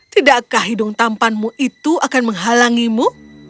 tidakkah hidung tampanmu itu akan menghalangimu